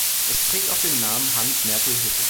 Es trägt auch den Namen Hans-Mertel-Hütte.